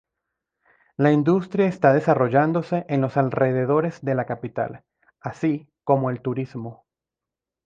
La industria está desarrollándose en los alrededores de la capital, así como el turismo.